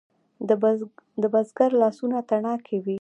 د بزګر لاسونه تڼاکې وي.